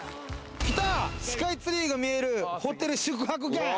スカイツリーが見えるホテル宿泊券。